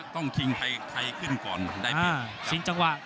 ต้องทิ้งใครขึ้นก่อนได้เปลี่ยน